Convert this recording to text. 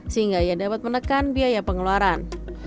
sehingga ia dapat menekan biaya pengeluaran